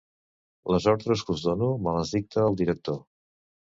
Les ordres que us dono me les dicta el director.